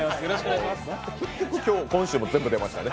結局、今週も全部出ましたね。